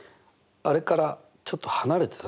あれからちょっと離れてた？